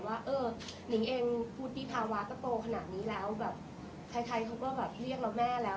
ว่าเออนิงเองวุฒิภาวะก็โตขนาดนี้แล้วแบบใครเขาก็แบบเรียกเราแม่แล้ว